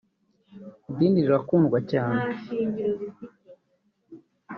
Idini rirakundwa cyane